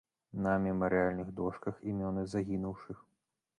На мемарыяльных дошках імёны загінуўшых.